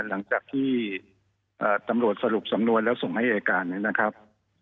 หลังจากที่ตำรวจสรุปสำนวนแล้วส่งให้อายการนะครับ